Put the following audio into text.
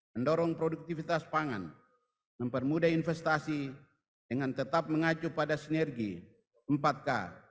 mendorong produktivitas pangan mempermudah investasi dengan tetap mengacu pada sinergi empat k